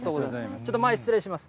ちょっと前失礼します。